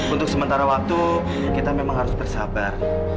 untuk sementara waktu kita memang harus bersabar